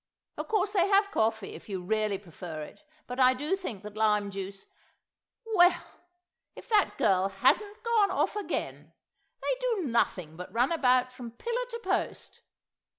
... Of course they have coffee, if you really prefer it; but I do think that lime juice—— Well, if that girl hasn't gone off again! They do nothing but run about from pillar to post.